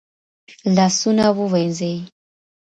لاسونه ووينځئ.